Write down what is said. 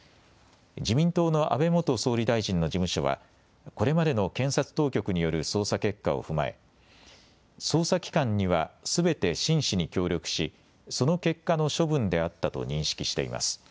安倍元総理大臣の事務所はこれまでの検察当局による捜査結果を踏まえ捜査機関にはすべて真摯に協力しその結果の処分であったと認識しています。